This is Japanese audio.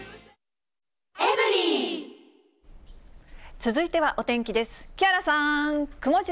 続いてはお天気です。